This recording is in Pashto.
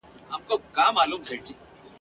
بیا په شیطانه په مکاره ژبه !.